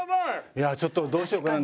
いやちょっとどうしようかな？